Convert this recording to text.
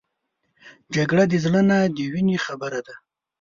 جګړه د زړه نه د وینې خبره ده